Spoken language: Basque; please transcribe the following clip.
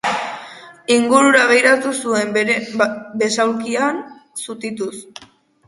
Ingurura begiratu zuen, bere besaulkian zutituz.